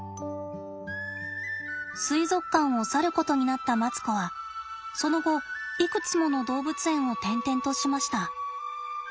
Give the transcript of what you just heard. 水族館を去ることになったマツコはその後いくつもの動物園を転々としました。